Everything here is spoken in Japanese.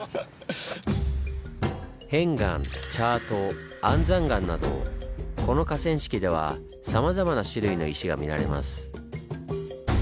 片岩チャート安山岩などこの河川敷ではさまざまな種類の石が見られます。